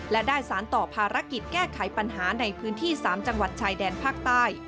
และได้สารต่อภารกิจแก้ไขปัญหาในพื้นที่๓จังหวัดชายแดนภาคใต้